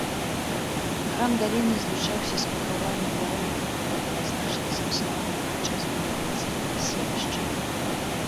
Храм даліны злучаўся з пахавальнай дарогай, якая была значна сапсавана падчас будаўніцтва паселішча.